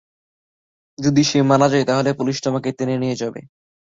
যদি সে মারা যায়, তাহলে পুলিশ তোমাকে টেনে নিয়ে যাবে।